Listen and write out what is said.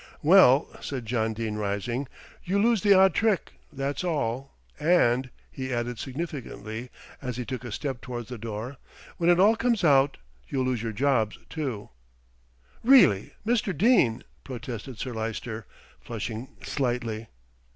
"Well," said John Dene, rising, "you lose the odd trick, that's all; and," he added significantly as he took a step towards the door, "when it all comes out, you'll lose your jobs too." "Really, Mr. Dene," protested Sir Lyster, flushing slightly.